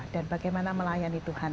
dan bagaimana melayani tuhan